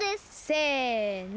せの！